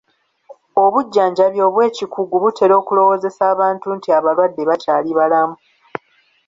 Obujjanjabi obw'ekikugu butera okulowoozesa abantu nti abalwadde bakyali balamu.